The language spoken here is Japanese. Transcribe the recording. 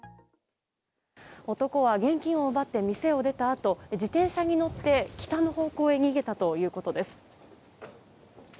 男は現金を奪って店を出たあと自転車に乗って、北の方向へ逃げたということです。